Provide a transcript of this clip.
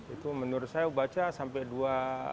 itu menurut saya baca sampai dua